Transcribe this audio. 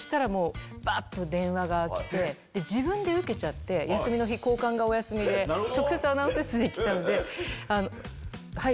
自分で受けちゃって休みの日交換がお休みで直接アナウンス室に来たんではい！